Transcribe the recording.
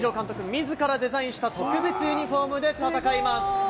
みずからデザインした特別ユニホームで戦います。